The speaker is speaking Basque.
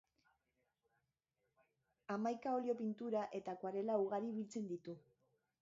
Hamaika olio-pintura eta akuarela ugari biltzen ditu.